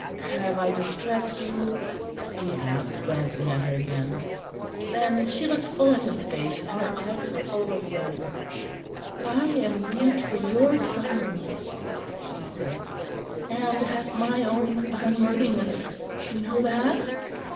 "Have I distressed you?" he asked, glancing at her again. Then she looked full in his face, and her eyes were overflowing. "I am grieved for your sorrow," she said, "and at my own unworthiness, you know that?"